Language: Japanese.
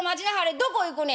どこ行くねん？」。